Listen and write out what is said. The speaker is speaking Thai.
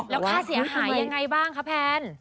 แล้วค่าเสียหายยังไงบ้างคะแพน